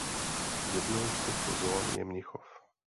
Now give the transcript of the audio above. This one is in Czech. Jednou z těchto zón je Mnichov.